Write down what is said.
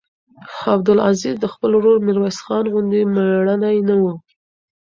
عبدالعزیز د خپل ورور میرویس خان غوندې مړنی نه و.